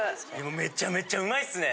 めちゃめちゃうまいっすね！